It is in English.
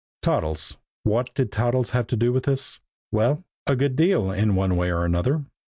Toddles? What did Toddles have to do with this? Well, a good deal, in one way and another.